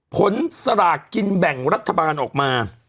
สลากกินแบ่งรัฐบาลออกมา